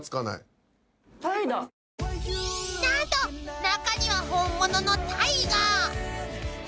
［何と中には本物のタイが］